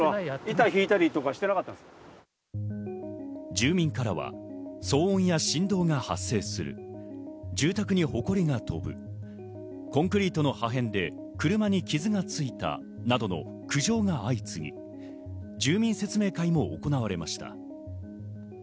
住民からは騒音や振動が発生する、住宅にほこりが飛ぶ、コンクリートの破片で車に傷がついたなどの苦情が相次ぎ、住民説明会も行われました。